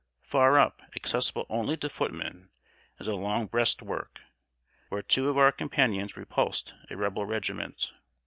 Far up, accessible only to footmen, is a long breast work, where two of our companies repulsed a Rebel regiment.